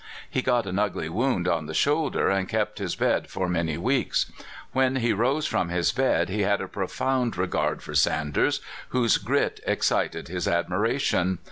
He got an ugly wound on the shoulder, and kept his bed for many weeks. When he rose from his bed he had a profound re gard for Sanders, whose grit excited his admira tion.